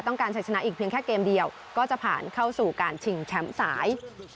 การใช้ชนะอีกเพียงแค่เกมเดียวก็จะผ่านเข้าสู่การชิงแชมป์สาย